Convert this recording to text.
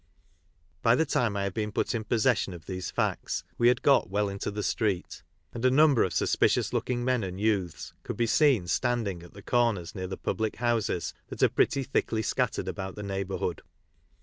By the time I had been put in possession of these facts we had got well into the Street, and a number of suspicious looking men and youths could be seen standing at the corners near the public houses that are pretty thickly scattered about the neigh bourhood.